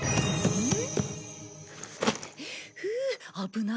うん？